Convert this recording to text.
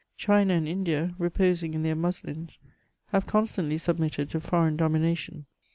China and India, reposing in their muslins, have constantly submitted to foreign domina* tion.